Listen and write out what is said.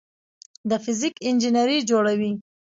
د فزیک انجینري جوړوي.